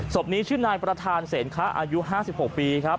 ศพนี้ชื่อนายประธานเสนค้าอายุ๕๖ปี